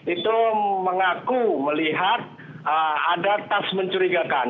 itu mengaku melihat ada tas mencurigakan